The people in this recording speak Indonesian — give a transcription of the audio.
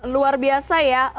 luar biasa ya